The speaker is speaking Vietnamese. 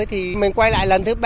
thì mình quay lại lần thứ ba